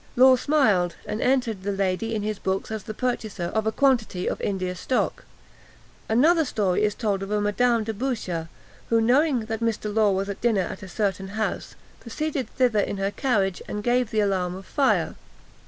Law smiled, and entered the lady in his books as the purchaser of a quantity of India stock. Another story is told of a Madame de Boucha, who, knowing that Mr. Law was at dinner at a certain house, proceeded thither in her carriage, and gave the alarm of fire.